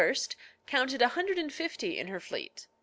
counted a hundred and fifty in her fleet.